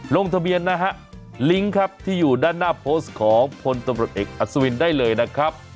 ลงทะเบียนนะฮะลิงก์ครับที่อยู่ด้านหน้าโพสต์ของพลตำรวจเอกอัศวินได้เลยนะครับ